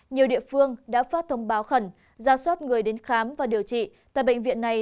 nhiều địa phương đã phát thông báo khẩn ra soát người đến khám và điều trị tại bệnh viện này